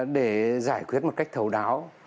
để giải quyết một cách thấu đáo